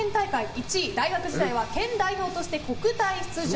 １位大学時代は県代表として国体出場。